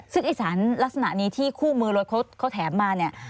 ซึ่งไอ้สารลักษณะนี้ที่คู่มือรถเขาแถมมาเนี่ย